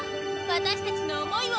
私たちの想いを。